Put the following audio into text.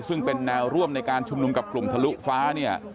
ซึ่งเป็นแนวร่วมในการชุมนุมกับกลุ่มทะลุฟ้าเนี่ย